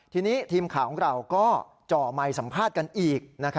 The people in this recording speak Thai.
ทีนี้ทีมข่าวของเราก็จ่อไมค์สัมภาษณ์กันอีก